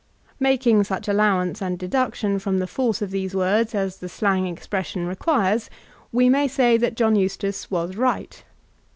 Making such allowance and deduction from the force of these words as the slang expression requires, we may say that John Eustace was right.